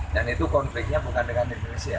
dan itu konfliknya bukan dengan indonesia